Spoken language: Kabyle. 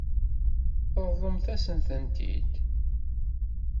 Ṛeḍlemt-asen-tent-id.